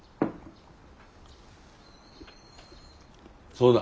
そうだ。